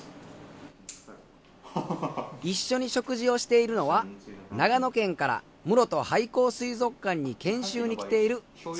一緒に食事をしているのは長野県からむろと廃校水族館に研修に来ている塚田さん。